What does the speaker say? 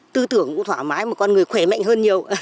tư tưởng cũng thoải mái một con người khỏe mạnh hơn nhiều